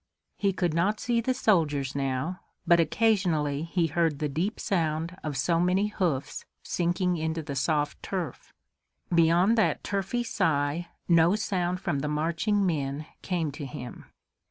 He could not see the soldiers now, but occasionally he heard the deep sound of so many hoofs sinking into the soft turf. Beyond that turfy sigh no sound from the marching men came to him.